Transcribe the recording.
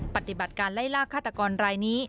ปฏิบัติการไล่ลากฆาตกรรายนี้